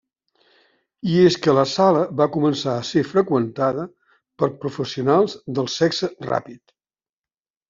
I és que la sala va començar a ser freqüentada per professionals del sexe ràpid.